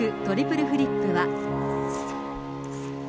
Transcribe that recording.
トリプルフリップ。